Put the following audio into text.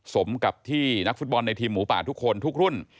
สมกับที่นักฟุตบอลในทีมหมูป่าทุกคนทุกรุ่น